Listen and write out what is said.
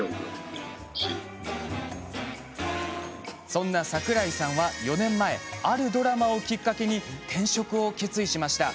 そんな櫻井さんは、４年前あるドラマをきっかけに転職を決意しました。